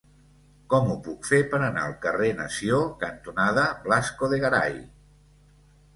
Com ho puc fer per anar al carrer Nació cantonada Blasco de Garay?